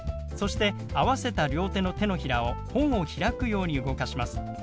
そして合わせた両手の手のひらを本を開くように動かします。